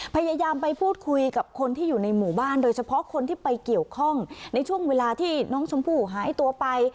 พยายามไปพูดคุยกับคนที่อยู่ในหมู่บ้านโดยเฉพาะคนที่ไปเกี่ยวข้องในช่วงเวลาที่น้องชมพู่หายตัวไป